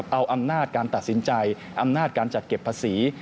เอาอำนาจการตัดสินใจอำนาจการจัดเก็บภาษี